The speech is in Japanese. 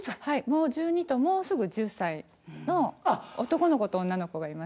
もう１２ともうすぐ１０歳の男の子と女の子がいます。